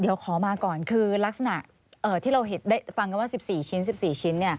เดี๋ยวขอมาก่อนคือลักษณะที่เราเห็นได้ฟังกันว่า๑๔ชิ้น๑๔ชิ้น